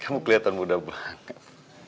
kamu keliatan muda banget